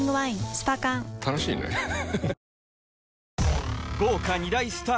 スパ缶楽しいねハハハ